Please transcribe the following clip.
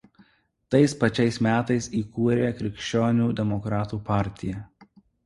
Tais pačiais metais įkūrė Krikščionių demokratų partiją.